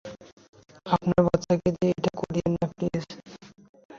আমার বাচ্চাকে দিয়ে এটা করিয়েন না, প্লিজ।